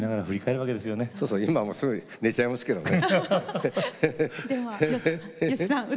今、すぐ寝ちゃいますけどね。